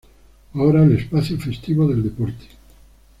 Ahora, el espacio festivo del deporte.